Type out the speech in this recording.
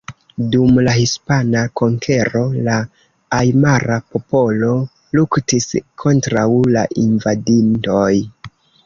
Dum la hispana konkero, la ajmara popolo luktis kontraŭ la invadintoj.